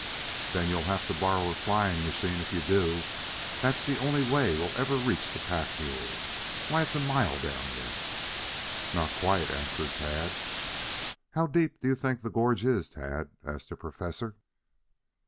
"Then you'll have to borrow a flying machine if you do. That's the only way we'll ever reach the pack mule. Why, it's a mile down there " "Not quite," answered Tad. "How deep do you think the gorge is, Tad?" asked the Professor.